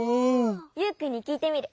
ユウくんにきいてみる！